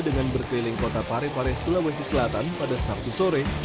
dengan berkeliling kota parepare sulawesi selatan pada sabtu sore